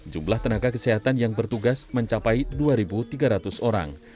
jumlah tenaga kesehatan yang bertugas mencapai dua tiga ratus orang